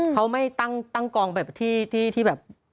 เขาไม่ตั้งกองแบบที่แบบ